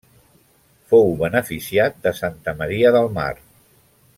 Fou beneficiat de Santa Maria del Mar.